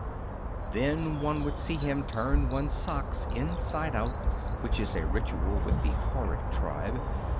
... Then one would see him turn one's socks inside out, which is a ritual with the horrid tribe.